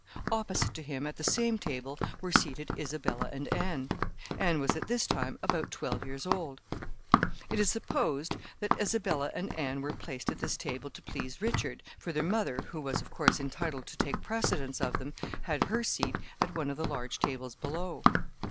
Opposite to him, at the same table, were seated Isabella and Anne. Anne was at this time about twelve years old. Now it is supposed that Isabella and Anne were placed at this table to please Richard, for their mother, who was, of course, entitled to take precedence of them, had her seat at one of the large tables below.